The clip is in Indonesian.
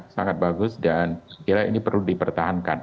sangat bagus dan kira ini perlu dipertahankan